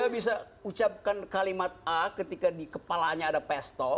saya bisa ucapkan kalimat a ketika di kepalanya ada pesta